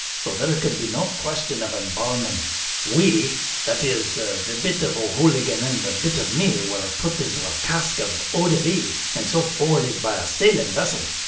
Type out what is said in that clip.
So there could be no question of embalming. We, that is, the bit of O'Hooligan and the bit of me, were put into a cask of eau de vie, and so forwarded by a sailing vessel.